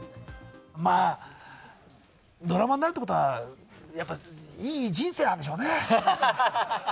まあ、ドラマになるってことは、やっぱいい人生なんでしょうね。